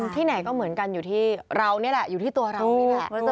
ที่ไหนก็เหมือนกันอยู่ที่เรานี่แหละอยู่ที่ตัวเรานี่แหละ